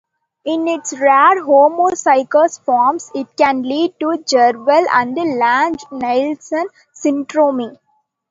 In its rare homozygous forms, it can lead to Jervell and Lange-Nielsen syndrome.